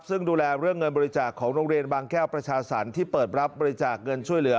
ซึ่งดูแลเรื่องเงินบริจาคของโรงเรียนบางแก้วประชาสรรค์ที่เปิดรับบริจาคเงินช่วยเหลือ